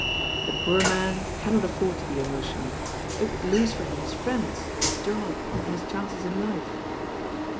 "The poor man cannot afford to be emotional. It would lose for him his friends, his job and his chances in life."